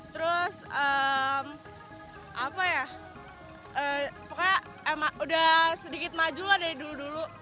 terus apa ya pokoknya emang udah sedikit maju lah dari dulu dulu